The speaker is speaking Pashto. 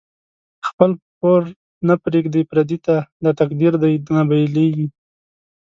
خپل پور نه پریږدی پردی ته، دا تقدیر دۍ نه بیلیږی